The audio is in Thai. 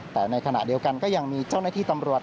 แต่ในขณะเดียวกันก็ยังมีเจ้าหน้าที่ตำรวจ